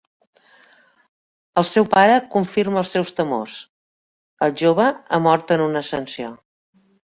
El seu pare confirma els seus temors: el jove ha mort en una ascensió.